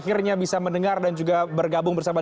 akhirnya bisa mendengar dan juga bergabung bersama